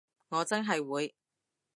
我真係會